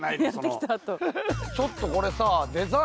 ちょっとこれさ。